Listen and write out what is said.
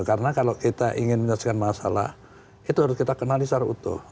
karena kalau kita ingin menyelesaikan masalah itu harus kita kenali secara utuh